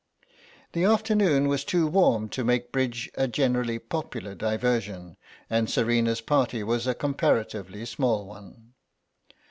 The afternoon was too warm to make bridge a generally popular diversion, and Serena's party was a comparatively small one.